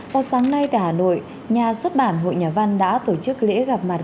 vào sáng nay tại hà nội nhà xuất bản hội nhà văn đã tổ chức lễ gặp mặt